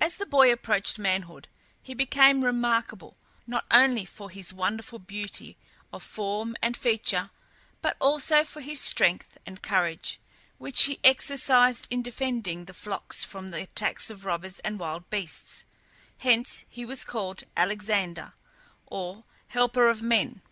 As the boy approached manhood he became remarkable, not only for his wonderful beauty of form and feature, but also for his strength and courage, which he exercised in defending the flocks from the attacks of robbers and wild beasts; hence he was called Alexander, or helper of men.